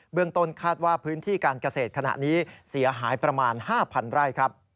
ต้นคาดว่าพื้นที่การเกษตรขณะนี้เสียหายประมาณ๕๐๐ไร่ครับ